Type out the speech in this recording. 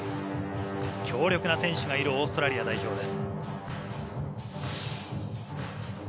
強力な選手がいるオーストラリア代表です。